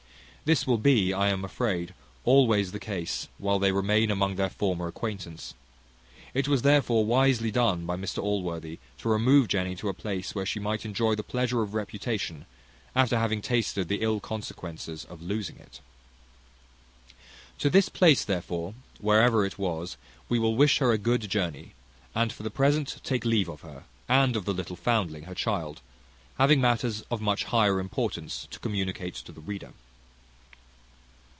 This will be, I am afraid, always the case while they remain among their former acquaintance; it was therefore wisely done by Mr Allworthy, to remove Jenny to a place where she might enjoy the pleasure of reputation, after having tasted the ill consequences of losing it. To this place therefore, wherever it was, we will wish her a good journey, and for the present take leave of her, and of the little foundling her child, having matters of much higher importance to communicate to the reader.